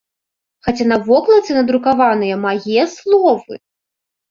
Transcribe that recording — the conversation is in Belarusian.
Хаця на вокладцы надрукаваныя мае словы!